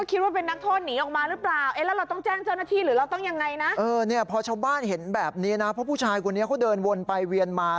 ก็คิดว่าเป็นนักโทษหนีออกมาหรือเปล่า